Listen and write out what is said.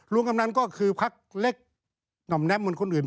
ลงกำหนังก็คือพักเล็กหน่อมแนะมนต์คนอื่น